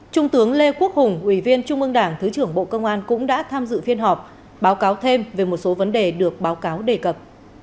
trung tướng lê quốc hùng ủy viên trung ương đảng thứ trưởng bộ công an cũng đã tham dự phiên họp báo cáo thêm về một số vấn đề được báo cáo đề cập